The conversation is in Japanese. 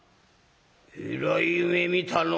えらい夢見たのう」。